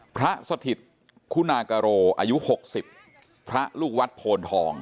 สถิตคุณากโรอายุ๖๐พระลูกวัดโพนทอง